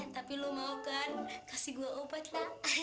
tapi lu mau kan kasih gua obat la